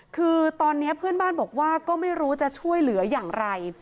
คือตอนนี้เพื่อนบ้านบอกว่าก็ไม่รู้จะช่วยเหลืออย่างไร